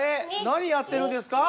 何やってるんですか？